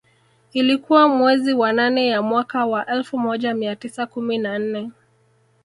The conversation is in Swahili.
Ilikuwa mwezi wa nane ya mwaka wa elfu moja mia tisa kumi na nne